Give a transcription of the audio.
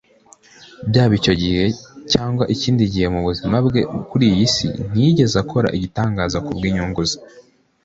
Byaba icyo gihe cyangwa ikindi gihe mu buzima bwe kuri iyi si, ntiyigeze akora igitangaza kubw’inyungu ze